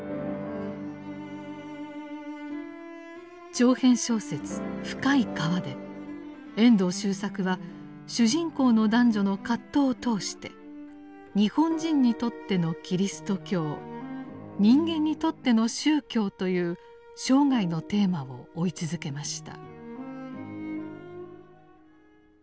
長編小説「深い河」で遠藤周作は主人公の男女の葛藤を通して「日本人にとってのキリスト教」「人間にとっての宗教」という生涯のテーマを追い続けました。